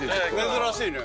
珍しいね。